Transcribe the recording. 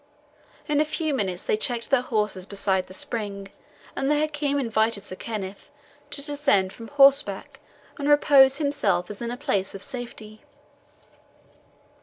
In a few minutes they checked their horses beside the spring, and the Hakim invited Sir Kenneth to descend from horseback and repose himself as in a place of safety.